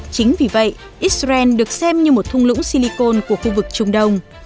chính vì vậy israel được xem như một thung lũng silicon của khu vực trung đông